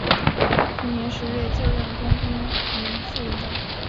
同年十月就任工兵营副营长。